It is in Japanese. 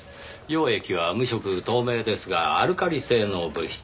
溶液は無色透明ですがアルカリ性の物質